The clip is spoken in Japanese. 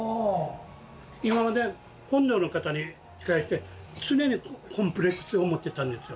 今まで本土の方に対して常にコンプレックスを持ってたんですよ。